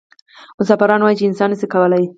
مفسران وايي چې انسان نه شي کولای.